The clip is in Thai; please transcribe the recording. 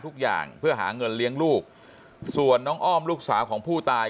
ทุกอย่างเพื่อหาเงินเลี้ยงลูกส่วนน้องอ้อมลูกสาวของผู้ตาย